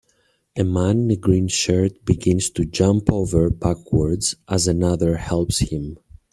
A man in a green shirt begins to jump over backwards as another helps him.